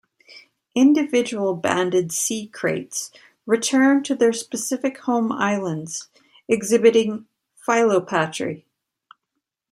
Individual banded sea kraits return to their specific home islands, exhibiting philopatry.